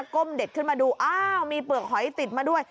้มเด็ดขึ้นมาดูอ้าวมีเปลือกหอยติดมาด้วย